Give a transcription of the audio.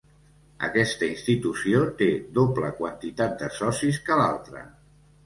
Aquesta institució té doble quantitat de socis que l'altra.